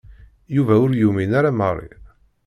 Yuba ur yumin ara Mary.